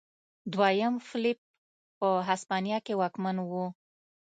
دویم فلیپ په هسپانیا کې واکمن و.